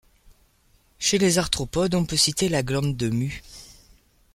Chez les arthropodes, on peut citer la glande de mue.